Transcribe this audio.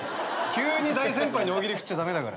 急に大先輩に大喜利振っちゃ駄目だから。